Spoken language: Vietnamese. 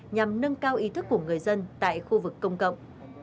nhằm nâng cao ý thức của người dân tại khu vực công cộng